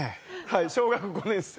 はい小学５年生。